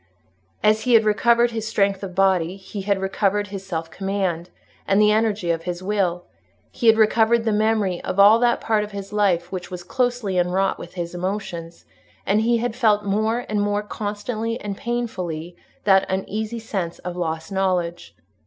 As he had recovered his strength of body, he had recovered his self command and the energy of his will; he had recovered the memory of all that part of his life which was closely enwrought with his emotions; and he had felt more and more constantly and painfully the uneasy sense of lost knowledge.